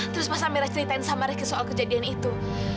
terus pas amira ceritain sama rizky soal kejadian itu